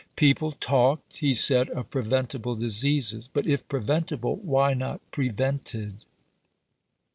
People talked, he said, of "preventable diseases"; but "if preventable, why not prevented?"